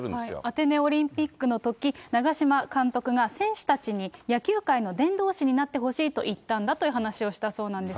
アテネオリンピックのとき、長嶋監督が選手たちに、野球界の伝道師になってほしいと言ったんだという話をしたそうなんです。